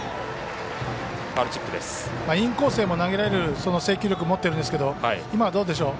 インコースへも投げられる制球力を持ってるんですけど今、どうでしょう。